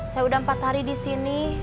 saya sudah empat hari di sini